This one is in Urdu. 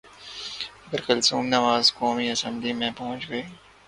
اگر کلثوم نواز قومی اسمبلی میں پہنچ گئیں۔